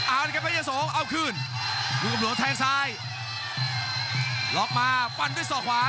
อ่านครับเพชรยะโสเอาคืนลูกกลมหลวงแทงซ้ายล็อกมาปั่นด้วยส่อขวา